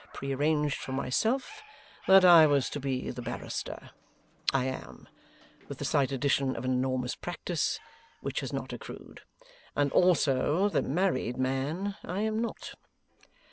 F. pre arranged for myself that I was to be the barrister I am (with the slight addition of an enormous practice, which has not accrued), and also the married man I am not.